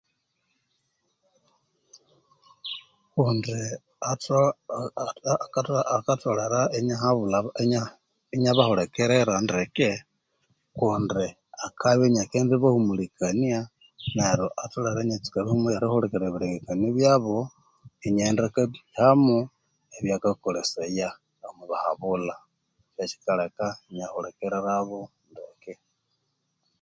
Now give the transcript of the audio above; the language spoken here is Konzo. Kundi akatholera inabahulikirira ndeke kundi akabya inakendibahumulikania neryo atholere inatsuka erihulikirira ebirengekanio byabo inaghenda akihamo ebyaka kolesaya omwibahabulha kyekyikaleka inahulikirirabo.